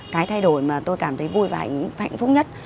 cái thay đổi mà tôi cảm thấy vui và hạnh phúc nhất